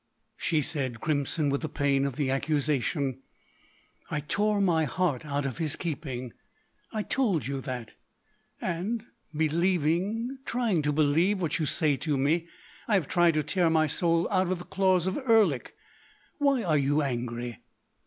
She said, crimson with the pain of the accusation: "I tore my heart out of his keeping.... I told you that.... And, believing—trying to believe what you say to me, I have tried to tear my soul out of the claws of Erlik.... Why are you angry?"